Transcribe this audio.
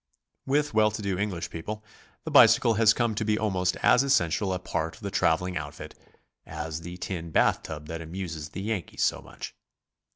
With well to do English people the bicycle has come to be almost as essential a part of the traveling outfit as the tin bath tub that amuses the Yankee so much.